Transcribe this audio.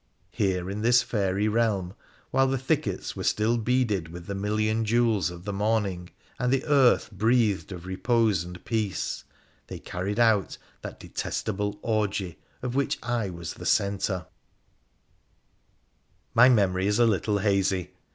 Here in this fairy realm, while the thickets were still beaded with the million jewels of the morning, and the earth breathed of repose and peace, they carried out that detestable orgie of which I was the centre. PHRA THE PHOENICIAN 23 My memory is a little hazy.